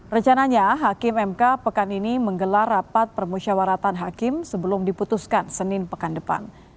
rencananya hakim mk pekan ini menggelar rapat permusyawaratan hakim sebelum diputuskan senin pekan depan